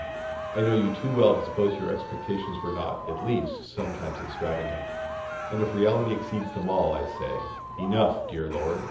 I know you too well to suppose your expectations were not, at least, sometimes extravagant; and if the reality exceeds them all, I say, Enough, dear Lord.